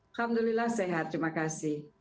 alhamdulillah sehat terima kasih